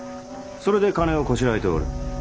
それで金をこしらえておる。